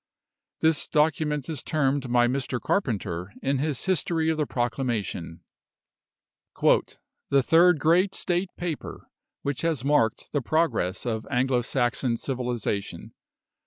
This document is termed by Mr. Carpenter, in his history of the proclamation, "the third great State paper which has marked the progress of Anglo Saxon civilisation.